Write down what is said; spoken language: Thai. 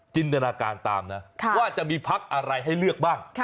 จินตนาการตามนะว่าจะมีพักอะไรให้เลือกบ้าง